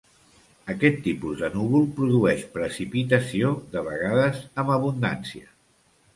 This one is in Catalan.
Aquest tipus de núvol produeix precipitació, de vegades amb abundància.